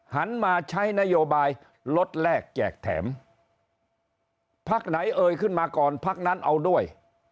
หันมาใช้นโยบายลดแรกแจกแถมพักไหนเอ่ยขึ้นมาก่อนพักนั้นเอาด้วย